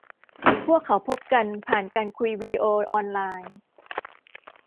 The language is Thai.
พวกเขาพบกันผ่านการคุยวีดีโอออนไลน์